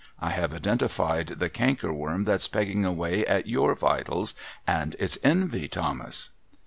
I have identified the cankerworm that's pegging away at your vitals, and it's envy, Thomas.'